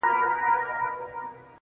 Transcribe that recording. • چي د وگړو څه يې ټولي گناه كډه كړې.